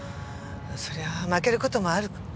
そりゃあ負ける事もある。